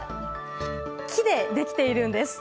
木でできているんです。